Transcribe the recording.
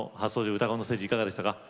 「うたコン」のステージいかがでしたか？